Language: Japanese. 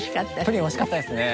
プリン美味しかったですね。